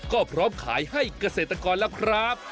ก็พร้อมขายให้เกษตรกรแล้วครับ